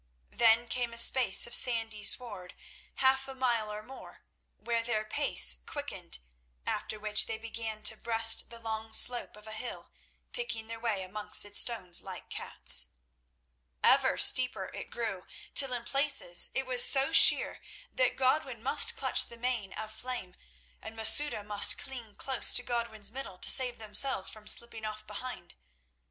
Then came a space of sandy sward, half a mile or more, where their pace quickened, after which they began to breast the long slope of a hill, picking their way amongst its stones like cats. Ever steeper it grew, till in places it was so sheer that Godwin must clutch the mane of Flame, and Masouda must cling close to Godwin's middle to save themselves from slipping off behind.